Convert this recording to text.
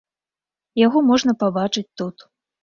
Яго можна пабачыць тут.